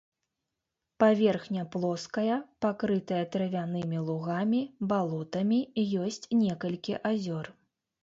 Паверхня плоская, пакрытая травянымі лугамі, балотамі, ёсць некалькі азёр.